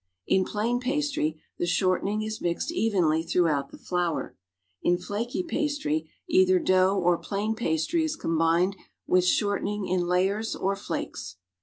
In plain pastry, the shortening is mixed evenly throughout the flour; in flaky pastry, either dough or plain pastry is combined with shortening in layers or flakes.